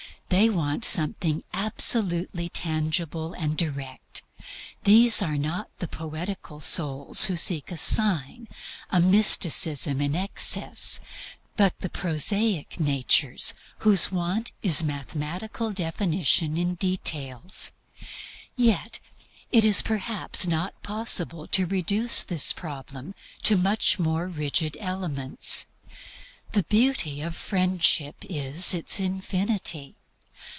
They want something absolutely tangible and absolutely direct. These are not the poetical souls who seek a sign, a mysticism in excess, but the prosaic natures whose want is mathematical definition in details. Yet it is perhaps not possible to reduce this problem to much more rigid elements. The beauty of Friendship is its infinity.